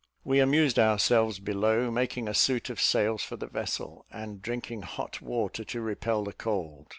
We amused ourselves below, making a suit of sails for the vessel, and drinking hot water to repel the cold.